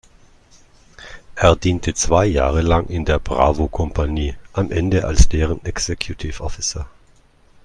Er diente zwei Jahre lang in der Bravo-Kompanie, am Ende als deren Executive Officer.